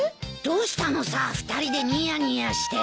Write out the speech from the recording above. どうしたのさ２人でニヤニヤして。